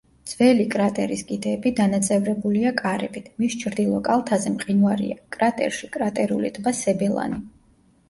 ძველი კრატერის კიდეები დანაწევრებულია კარებით, მის ჩრდილო კალთაზე მყინვარია, კრატერში კრატერული ტბა სებელანი.